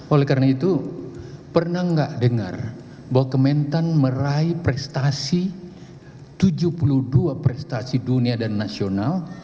oleh karena itu pernah nggak dengar bahwa kementan meraih prestasi tujuh puluh dua prestasi dunia dan nasional